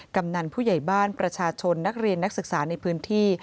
กำนันผู้ใหญ่บ้านประชาชนนักเรียนนักศึกษาในพื้นที่